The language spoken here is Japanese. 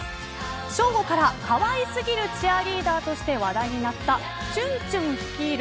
正午から、かわいすぎるチアリーダーとして話題になったチュンチュン率いる